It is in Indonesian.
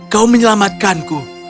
kau menyelamatkan aku